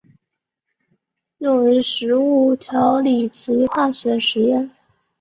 用于食物调理及化学实验。